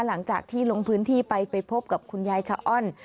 หลังจากที่ลงพื้นที่ไปไปพบกับคุณยายชะอ้อน